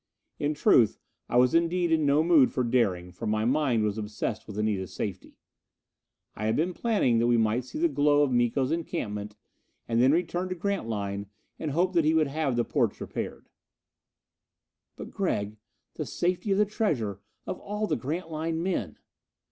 In truth, I was indeed in no mood for daring, for my mind was obsessed with Anita's safety. I had been planning that we might see the glow of Miko's encampment, and then return to Grantline and hope that he would have the portes repaired. "But Gregg the safety of the treasure of all the Grantline men...."